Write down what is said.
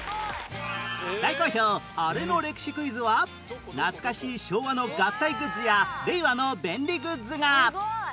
大好評アレの歴史クイズは懐かしい昭和の合体グッズや令和の便利グッズが